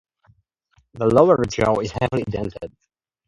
The lower jaw is heavily dented.